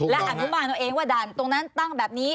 และอนุบาลเอาเองว่าด่านตรงนั้นตั้งแบบนี้